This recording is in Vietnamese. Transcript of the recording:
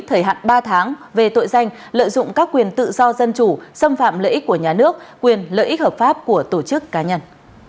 thời hạn ba tháng về tội danh lợi dụng các quyền tự do dân chủ xâm phạm lợi ích của nhà nước quyền lợi ích hợp pháp của tổ chức cá nhân